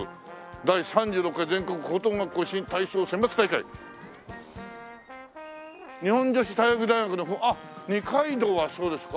「第３６回全国高等学校新体操選抜大会」「日本女子体育大学」あっ二階堂はそうですか。